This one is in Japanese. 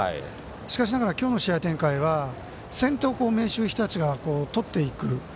しかしながらきょうの試合展開は先攻を明秀日立がとっていく。